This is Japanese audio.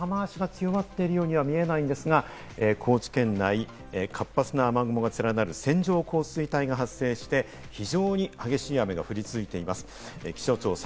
この時間、それほど雨脚は強まっているようには見えないんですが、高知県内、活発な雨雲が連なる線状降水帯が発生して、非常に激しい雨が降り続いています。